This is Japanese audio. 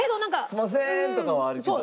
「すいません！」とかはあるけど。